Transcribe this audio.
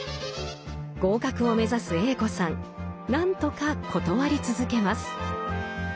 合格を目指すＡ子さん何とか断り続けます。